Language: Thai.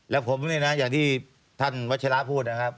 แล้วผมเนี่ยนะอย่างที่ท่านวัชราพูดนะครับ